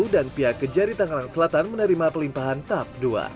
dan pihak kejari tangerang selatan menerima pelimpahan tap dua